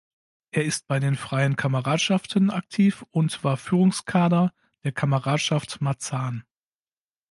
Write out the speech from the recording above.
Er ist bei den Freien Kameradschaften aktiv und war Führungskader der "Kameradschaft Marzahn".